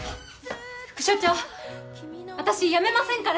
副署長私辞めませんから！